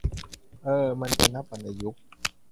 เออ มันจะนับวรรณยุกต์